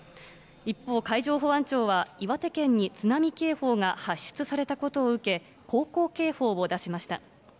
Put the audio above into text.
一方、海上保安庁は岩手県に津波警報が発出されたことを受け、航行警報を出しました。